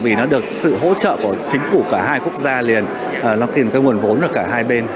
vì nó được sự hỗ trợ của chính phủ cả hai quốc gia liền nó tìm cái nguồn vốn ở cả hai bên